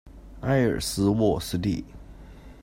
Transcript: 埃尔斯沃思地。